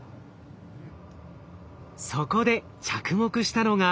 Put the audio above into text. そこで着目したのが。